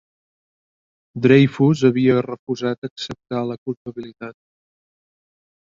Dreyfus havia refusat acceptar la culpabilitat.